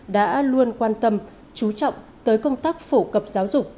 đã luôn quan tâm chú trọng tới công tác phổ cập giáo dục